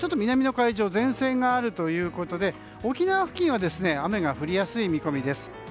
南の海上に前線があるということで沖縄付近は雨が降りやすい見込みです。